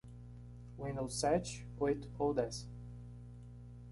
Windows sete, oito ou dez.